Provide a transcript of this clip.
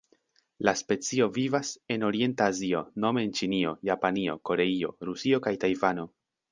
La specio vivas en Orienta Azio nome en Ĉinio, Japanio, Koreio, Rusio kaj Tajvano.